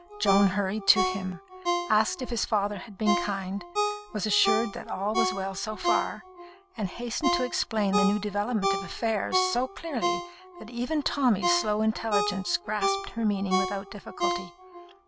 Joan hurried to him, asked if his father had been kind, was assured that all was well so far, and hastened to explain the new development of affairs so clearly that even Tommy's slow intelligence grasped her meaning without difficulty.